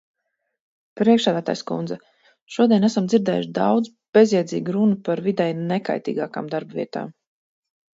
Priekšsēdētājas kundze, šodien esam dzirdējuši daudz bezjēdzīgu runu par videi nekaitīgākām darba vietām.